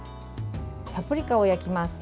パプリカを焼きます。